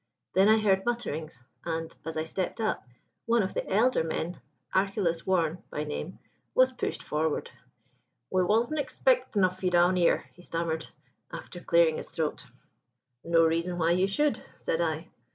Then I heard mutterings, and, as I stepped up, one of the elder men, Archelaus Warne by name, was pushed forward. "'We wasn' expectin' of you down here,' he stammered, after clearing his throat. "'No reason why you should,' said I.